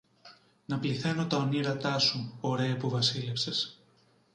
να πληθαίνω τα ονείρατά σου, ωραίε που βασίλεψες